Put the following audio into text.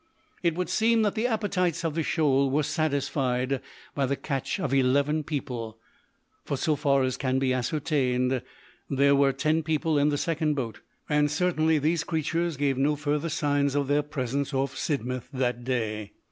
It would seem that the appetites of the shoal were satisfied by the catch of eleven people for so far as can be ascertained, there were ten people in the second boat, and certainly these creatures gave no further signs of their presence off Sidmouth that day.